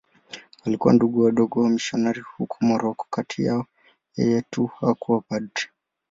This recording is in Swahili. Walikuwa Ndugu Wadogo wamisionari huko Moroko.Kati yao yeye tu hakuwa padri.